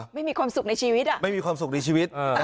ไม่มีความสุขในชีวิต